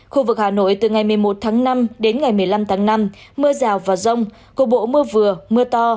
khu vực hà nội từ ngày một mươi một tháng năm đến ngày một mươi năm tháng năm mưa rào và rông cục bộ mưa vừa mưa to